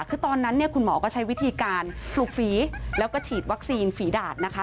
คือตอนนั้นเนี่ยคุณหมอก็ใช้วิธีการปลูกฝีแล้วก็ฉีดวัคซีนฝีดาดนะคะ